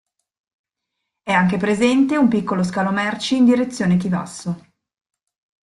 È anche presente un piccolo scalo merci in direzione Chivasso.